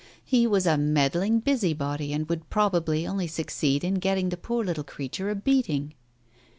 He was a meddling busybody and would probably only succeed in getting the poor little creature a beating.